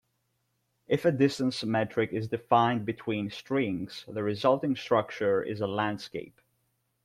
If a distance metric is defined between strings, the resulting structure is a "landscape".